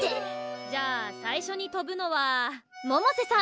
じゃあ最初にとぶのは百瀬さん。